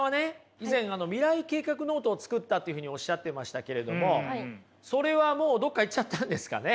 以前未来計画ノートをつくったっていうふうにおしゃっていましたけれどもそれはもうどっかいっちゃったんですかね？